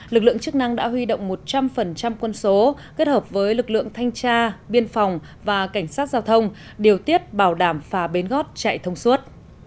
lực lượng chức năng đã huy động một trăm linh quân số kết hợp với lực lượng thanh tra biên phòng và cảnh sát giao thông điều tiết bảo đảm phà bến gót chạy thông suốt